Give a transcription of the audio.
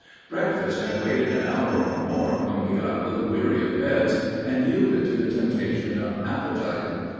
Breakfast had waited an hour or more when we got a little weary of beds and yielded to the temptation of appetite.